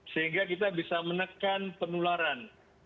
sehingga kita bisa menekan penularan